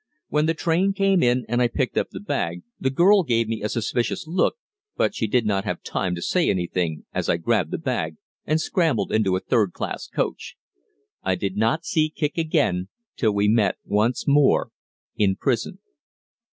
When the train came in and I picked up the bag the girl gave me a suspicious look, but she did not have time to say anything, as I grabbed the bag and scrambled into a third class coach. I did not see Kicq again till we met once more in prison.